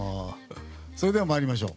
それでは、参りましょう。